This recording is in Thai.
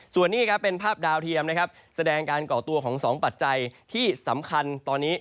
ส่วนนี้ครับเป็นภาพดาวเทียมนะครับแสดงการก่อตัวของ๒ปัจจัยที่สำคัญตอนนี้